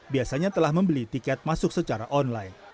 biasanya telah membeli tiket masuk secara online